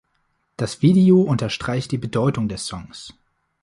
Das Video unterstreicht die Bedeutung des Songs.